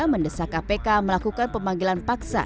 mendesak kpk melakukan pemanggilan paksa